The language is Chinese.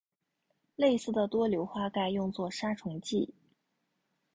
类似的多硫化钙用作杀虫剂。